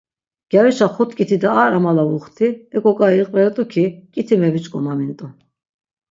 Gyarişa xut k̆it̆ite ar amalavuxti, ek̆o k̆ai iqveret̆u ki, k̆it̆i meviç̆k̆omamint̆u.